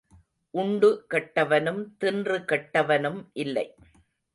உண்டு கெட்டவனும் தின்று கெட்டவனும் இல்லை.